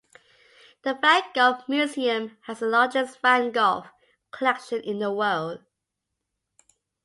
The Van Gogh Museum has the largest Van Gogh collection in the world.